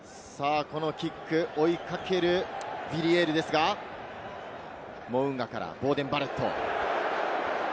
追いかけるヴィリエールですが、モウンガからボーデン・バレット。